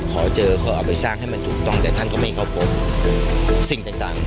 ขอเจอเขาเอาไปสร้างให้มันถูกต้องแต่ท่านก็ไม่เข้าพบสิ่งต่าง